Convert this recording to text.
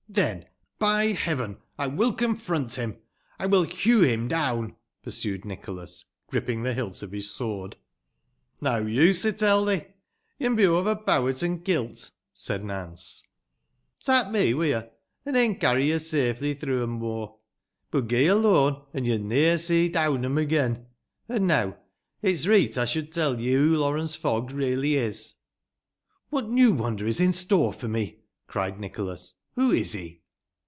"Then, by Heaven! I will confront him — ^I will hew him down," pursued Nicholas, griping the hilt of his sword. "Neaw use, ey teil ye — ^yo'n be overpowert an' kilt," said Nance. " Tat me wi' you, an' ey'n carry yo safely through 'em aw ; boh ge alone, an' yo'n ne'er see Downham again. An' now its reet ey should teil ye who Lawrence Fogg really is." " What new wonder is in störe for me ?" cried Nicholas. " Who is he